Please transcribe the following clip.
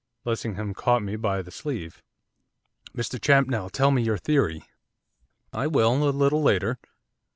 Lessingham caught me by the sleeve. 'Mr Champnell, tell me your theory.' 'I will, a little later.